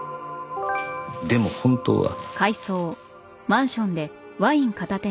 でも本当は。